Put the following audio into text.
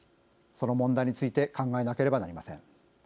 その問題について考えなければなりません。